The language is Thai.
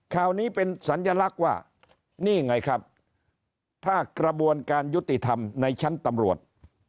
ข่าวนี้เป็นสัญลักษณ์ว่านี่ไงครับถ้ากระบวนการยุติธรรมในชั้นตำรวจ